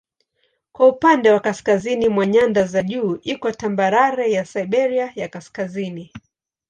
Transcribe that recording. Kwa upande wa kaskazini mwa nyanda za juu iko tambarare ya Siberia ya Kaskazini.